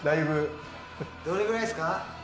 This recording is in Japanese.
どれぐらいですか？